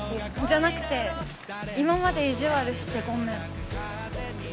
じゃなくて今まで意地悪してごめん。